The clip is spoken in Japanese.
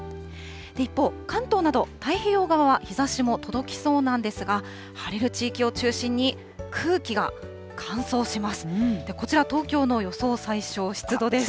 一方、関東など太平洋側は、日ざしも届きそうなんですが、晴れる地域を中心に、空気が乾燥します。